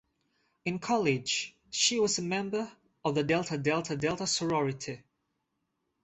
In college, she was a member of the Delta Delta Delta sorority.